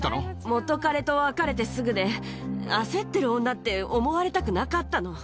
元彼と別れてすぐで、焦ってる女って思われたくなかったの。